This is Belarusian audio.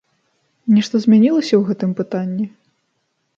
Нешта змянілася ў гэтым пытанні?